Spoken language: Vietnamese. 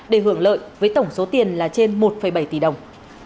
để hưởng lợi với tổng số tiền là trên một bảy tỷ đồng